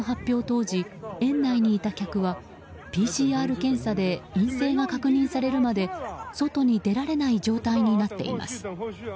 当時園内にいた客はＰＣＲ検査で陰性が確認されるまで外に出られない状態になっています。